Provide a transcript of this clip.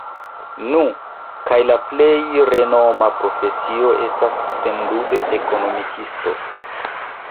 Nu, kaj la plej renoma profesio estas, sendube, Ekonomikisto.